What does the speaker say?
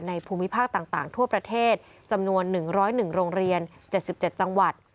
ภูมิภาคต่างทั่วประเทศจำนวน๑๐๑โรงเรียน๗๗จังหวัด